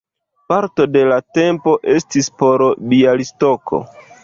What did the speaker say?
Parto de la tempo estis por Bjalistoko.